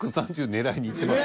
狙いにいってます。